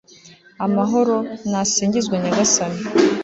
amahoro, nasingizwe nyagasani